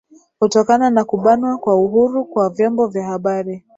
kutokana na kubanwa kwa uhuru kwa vyombo vya habari